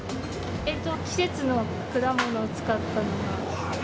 季節の果物を使ったのが。